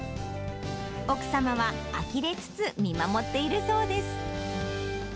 奥様はあきれつつ、見守っているそうです。